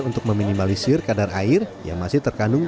untuk meminimalisir kadar air yang masih terkandung